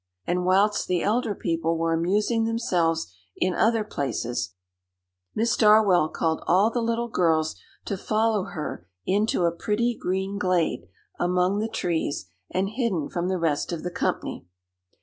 And whilst the elder people were amusing themselves in other places, Miss Darwell called all the little girls to follow her into a pretty green glade among the trees, and hidden from the rest of the company.